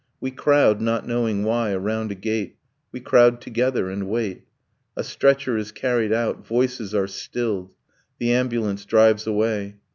. We crowd, not knowing why, around a gate, We crowd together and wait, A stretcher is carried out, voices are stilled, The ambulance drives away.